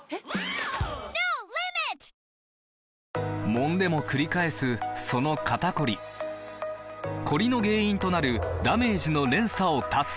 もんでもくり返すその肩こりコリの原因となるダメージの連鎖を断つ！